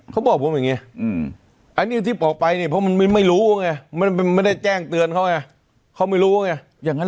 เขาบอกผมอย่างนี้อันนี้ที่บอกไปเนี่ยเพราะมันไม่รู้ไงไม่ได้แจ้งเตือนเขาไงเขาไม่รู้ไงอย่างนั้น